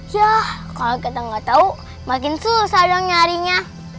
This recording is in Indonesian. yah kalau kita gak tahu makin susah dong nyarinya